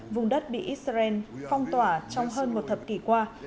vùng đất bị israel phong tỏa trong hơn một thập kỷ qua